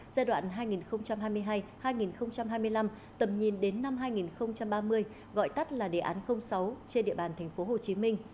giai đoạn hai nghìn hai mươi hai hai nghìn hai mươi năm tầm nhìn đến năm hai nghìn ba mươi gọi tắt là đề án sáu trên địa bàn tp hcm